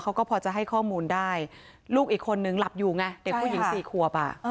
เขาก็พอจะให้ข้อมูลได้ลูกอีกคนนึงหลับอยู่ไงเด็กผู้หญิงสี่ขวบอ่ะ